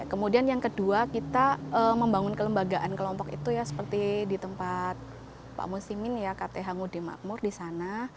kemudian yang kedua kita membangun kelembagaan kelompok itu ya seperti di tempat pak musimin ya kth ngude makmur di sana